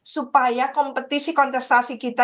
supaya kompetisi kontestasi kita